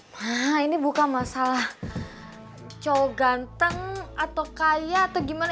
wah ini bukan masalah cowok ganteng atau kaya atau gimana